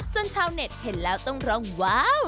ชาวเน็ตเห็นแล้วต้องร้องว้าว